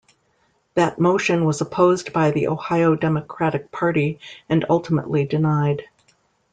That motion was opposed by the Ohio Democratic Party and ultimately denied.